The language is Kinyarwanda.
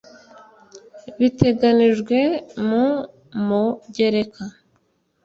biteganijwe mu mugereka